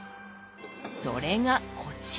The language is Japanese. それがこちら。